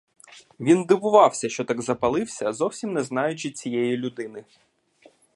Він дивувався, що так запалився, зовсім не знаючи цієї людини.